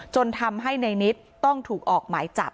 จนทำให้ในนิดต้องถูกออกหมายจับ